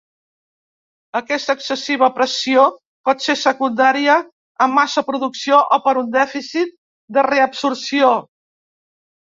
Aquesta excessiva pressió pot ser secundària a massa producció o per un dèficit de reabsorció.